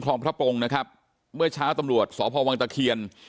คลองพระโปรงนะครับเมื่อซ้ายตำรวจสพวงเคียน